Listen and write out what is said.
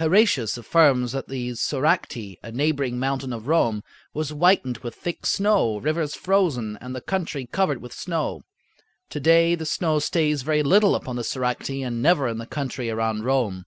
Heratius affirms that the Soracte, a neighboring mountain of Rome, was whitened with thick snow, rivers frozen, and the country covered with snow. To day the snow stays very little upon the Soracte and never in the country around Rome.